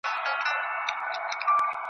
يو كيسه مي اورېدلې ده يارانو .